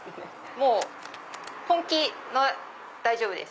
もう本気の大丈夫です。